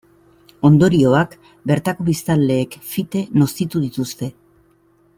Ondorioak bertako biztanleek fite nozitu dituzte.